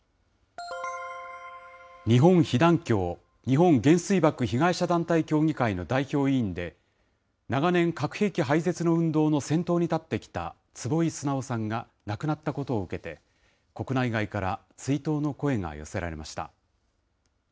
日本被団協・日本原水爆被害者団体協議会の代表委員で、長年、核兵器廃絶の運動の先頭に立ってきた坪井直さんが亡くなったことを受けて、国内外から追悼の声が寄せられました。